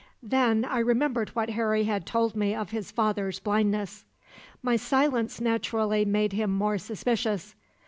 Then I remembered what Harry had told me of his father's blindness. "My silence naturally made him more suspicious.